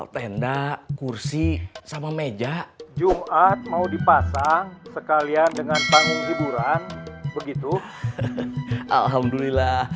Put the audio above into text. tenda kursi sama meja jumat mau dipasang sekalian dengan panggung hiburan begitu alhamdulillah